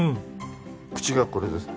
口がこれです。